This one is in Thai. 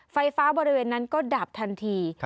ไฟฟ้าบริเวณนั้นก็ดับทันที